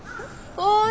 おい。